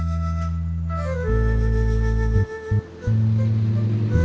berjalan jalan di posisi dari hanbah